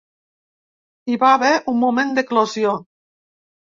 Hi va haver un moment d’eclosió.